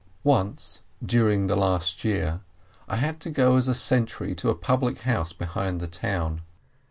Once, during the last year, I had to go as a sentry to a public house behind the town.